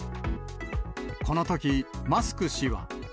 このとき、マスク氏は。